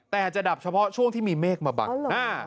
แต่จะดับเฉพาะช่วงที่มีเมฆมาบังหน้า